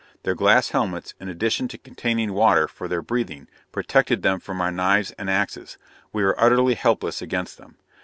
Their glass helmets, in addition to containing water for their breathing, protected them from our knives and axes. We were utterly helpless against them.